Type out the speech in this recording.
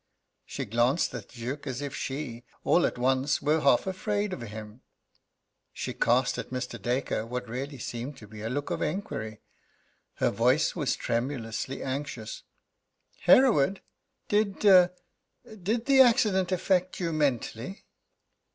She glanced at the Duke as if she, all at once, were half afraid of him. She cast at Mr. Dacre what really seemed to be a look of enquiry. Her voice was tremulously anxious: "Hereward, did did the accident affect you mentally?"